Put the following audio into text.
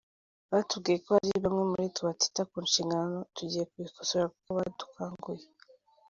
Batubwiye ko hari bamwe muri twe batita ku nshingano, tugiye kubikosora kuko badukanguye”.